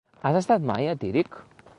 Has estat mai a Tírig?